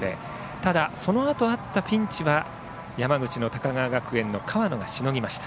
ただ、そのあとあったピンチは山口の高川学園の河野がしのぎました。